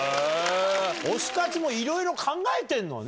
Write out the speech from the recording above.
推したちもいろいろ考えてんのね。